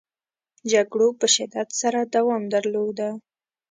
جګړو په شدت سره دوام درلوده.